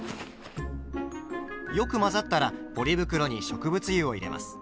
よく混ざったらポリ袋に植物油を入れます。